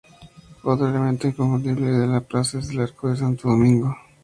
Otro elemento inconfundible de la plaza es el "Arco de Santo Domingo".